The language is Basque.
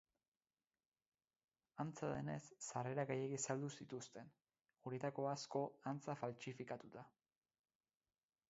Antza denez, sarrera gehiegi saldu zituzten, horietako asko antza faltsifikatuta.